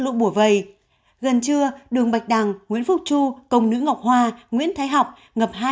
lũ bùa vầy gần trưa đường bạch đằng nguyễn phúc chu công nữ ngọc hoa nguyễn thái học ngập